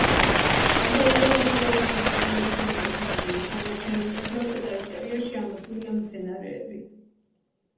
დანგრეულია ორივე ოთახის კედლების უმეტესი ნაწილი, შემორჩენილ კედლებზე და ინტერიერში ამოსულია მცენარეები.